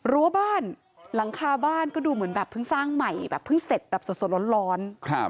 รั้วบ้านหลังคาบ้านก็ดูเหมือนแบบเพิ่งสร้างใหม่แบบเพิ่งเสร็จแบบสดร้อน